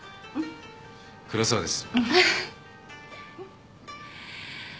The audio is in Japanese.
黒沢です。